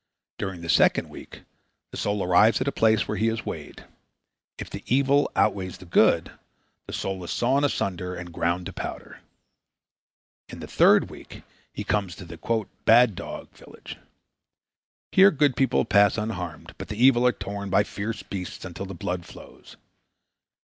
During the second week the soul arrives at a place where he is weighed. If the evil outweighs the good, the soul is sawn asunder and ground to powder. In the third week he comes to the "Bad Dog" village. Here good people pass unharmed, but the evil are torn by the fierce beasts until the blood flows.